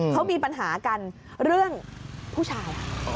เขามีปัญหากันเรื่องผู้ชาย